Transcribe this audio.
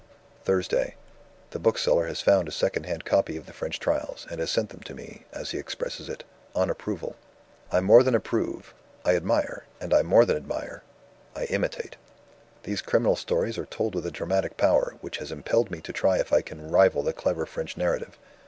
"Thursday. The bookseller has found a second hand copy of the French Trials, and has sent them to me (as he expresses it) 'on approval'. "I more than approve I admire; and I more than admire I imitate. These criminal stories are told with a dramatic power, which has impelled me to try if I can rival the clever French narrative.